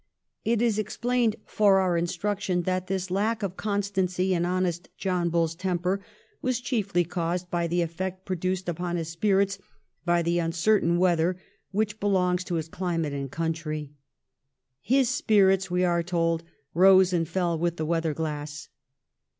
It is explained for our instruction that this lack of constancy in honest John Bull's temper was chiefly caused by the effect produced upon his spirits by the uncertain weather which be longs to his climate and country. ' His spirits,' we are told, 'rose and fell with the weatherglass.'